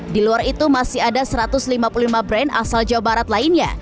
di luar itu masih ada satu ratus lima puluh lima brand asal jawa barat lainnya